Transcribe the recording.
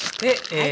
はい。